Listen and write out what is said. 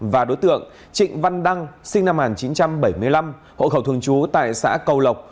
và đối tượng trịnh văn đăng sinh năm một nghìn chín trăm bảy mươi năm hộ khẩu thường trú tại xã cầu lộc